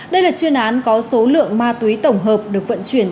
đây là chuyên án có số lượng ma túy tổng hợp được vận chuyển